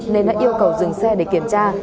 nên đã yêu cầu dừng xe để kiểm tra